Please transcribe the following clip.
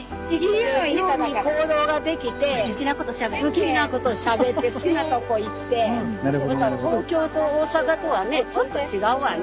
好きなことしゃべって好きなとこ行ってまた東京と大阪とはねちょっと違うわね。